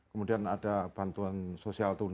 kemudian ada bantuan sosial tunai